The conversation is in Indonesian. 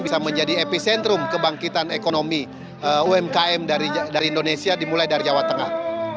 bisa menjadi epicentrum kebangkitan ekonomi umkm dari indonesia dimulai dari jawa tengah